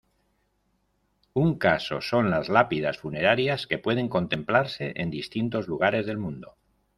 Un caso son las lápidas funerarias que pueden contemplarse en distintos lugares del municipio.